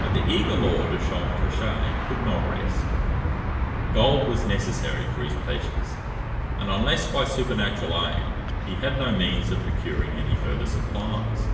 But the eager Lord of Champtocé could not rest. Gold was necessary for his pleasures; and unless by supernatural aid, he had no means of procuring any further supplies.